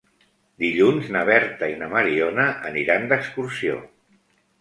Dilluns na Berta i na Mariona aniran d'excursió.